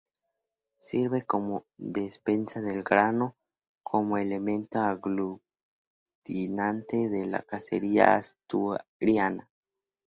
Sirve como despensa del grano, como elemento aglutinante de la casería asturiana.